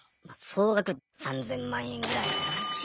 総額３０００万円ぐらい。